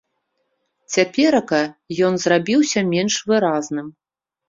Цяперака ён зрабіўся менш выразным.